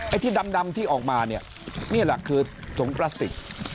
ที่ดำที่ออกมาเนี่ยนี่แหละคือถุงพลาสติก